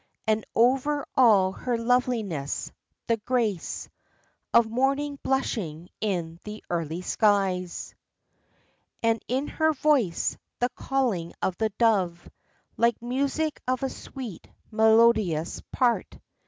And over all her loveliness, the grace Of Morning blushing in the early skies. And in her voice, the calling of the dove; Like music of a sweet, melodious part.